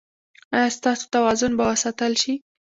ایا ستاسو توازن به وساتل شي؟